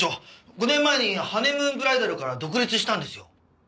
５年前にハネムーンブライダルから独立したんですよ。